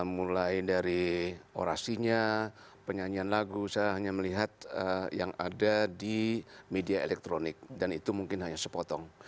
mulai dari orasinya penyanyian lagu saya hanya melihat yang ada di media elektronik dan itu mungkin hanya sepotong